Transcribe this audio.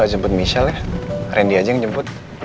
aku mau jemput michelle ya rendy aja yang jemput